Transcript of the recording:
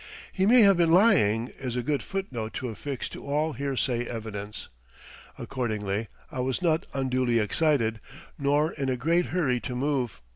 "He may have been lying" is a good footnote to affix to all hearsay evidence. Accordingly, I was not unduly excited, nor in a great hurry to move.